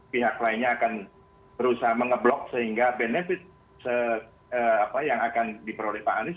pihak lainnya akan berusaha mengeblok sehingga benefit yang akan diperoleh pak anies